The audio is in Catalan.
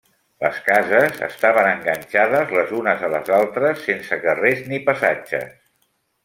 Les cases estaven enganxades les unes a les altres, sense carrers ni passatges.